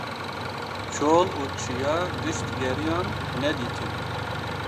Çol û çiya gişt geriyan nedîtin.